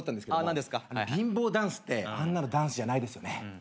リンボーダンスってあんなのダンスじゃないですよね。